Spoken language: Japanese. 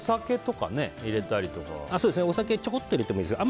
ちょこっと入れてもいいですよ。